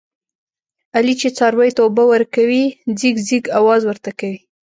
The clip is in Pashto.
علي چې څارویو ته اوبه ورکوي، ځیږ ځیږ اواز ورته کوي.